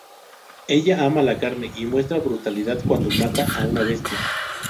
Ella ama la carne y muestra brutalidad cuando mata a una Bestia.